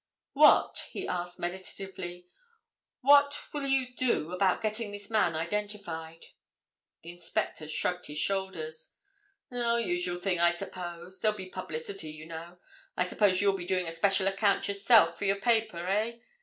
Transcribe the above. "What," he asked meditatively, "what will you do about getting this man identified?" The inspector shrugged his shoulders. "Oh, usual thing, I suppose. There'll be publicity, you know. I suppose you'll be doing a special account yourself, for your paper, eh?